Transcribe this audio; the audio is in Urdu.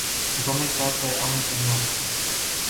مکمل طور پر عمل کرنا ہوگا